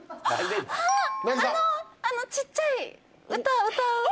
あのちっちゃい歌歌う。